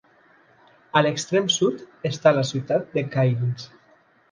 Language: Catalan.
A l'extrem sud està la ciutat de Cairns.